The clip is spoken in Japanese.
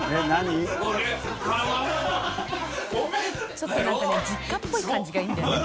ちょっと何かね実家っぽい感じがいいんだよね